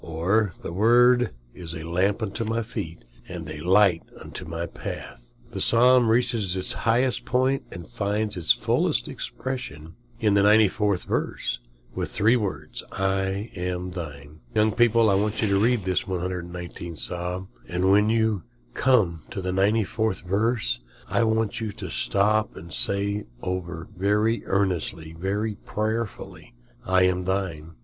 "Thy word is a lamp unto my feet, and a light unto my path." The Psalm reaches its highest point, and finds its fullest expression in the 94th verse, three words, "I am thine." Young people, I want you to read this 119th Psalm, and when you come to the 94th verse I want you to stop and say over very earnestly, very prayerfully, "I am thine."